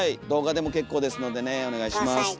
動画でも結構ですのでねお願いします。